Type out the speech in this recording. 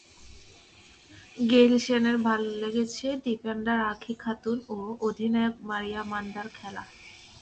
গেইলশেনের ভালো লেগেছে ডিফেন্ডার আঁখি খাতুন ও অধিনায়ক মারিয়া মান্দার খেলা।